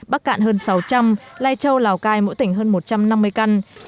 bắc cạn hơn sáu trăm linh lai châu lào cai mỗi tỉnh hơn một trăm năm mươi căn